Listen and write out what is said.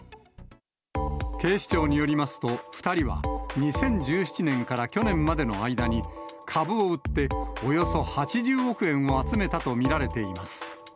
警視庁によりますと、２人は、２０１７年から去年までの間に、株を売っておよそ８０億円を集めたと見られています。